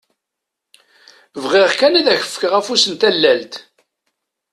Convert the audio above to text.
Bɣiɣ kan ad ak-d-fkeɣ afus n tallalt!